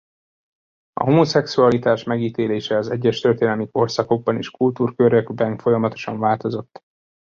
A homoszexualitás megítélése az egyes történelmi korszakokban és kultúrkörökben folyamatosan változott.